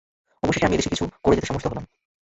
অবশেষে আমি এদেশে কিছু করে যেতে সমর্থ হলাম।